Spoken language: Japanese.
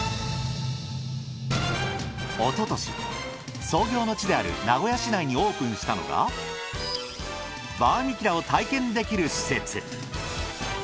おととし創業の地である名古屋市内にオープンしたのがバーミキュラを体験できる施設。